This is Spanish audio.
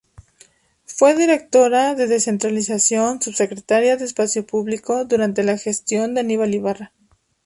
Fue Directora de Descentralización, Subsecretaria de Espacio Público, durante la gestión de Aníbal Ibarra.